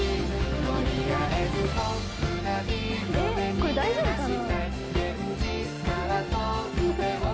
これ、大丈夫かな。